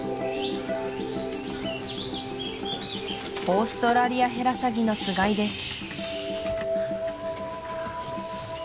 オーストラリアヘラサギのつがいです